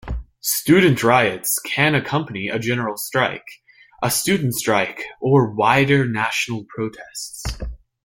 Student riots can accompany a general strike, a student strike, or wider national protests.